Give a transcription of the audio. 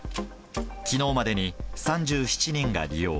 きのうまでに３７人が利用。